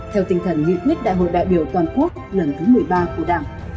theo tinh thần nghị quyết đại hội đại biểu toàn quốc lần thứ một mươi ba của đảng